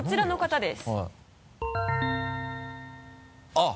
あっ。